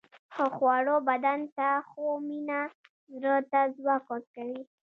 ښه خواړه بدن ته، خو مینه زړه ته ځواک ورکوي.